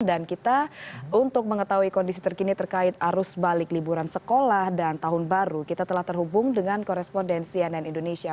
dan kita untuk mengetahui kondisi terkini terkait arus balik liburan sekolah dan tahun baru kita telah terhubung dengan korespondensi ann indonesia